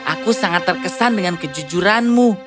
aku sangat terkesan dengan kejujuranmu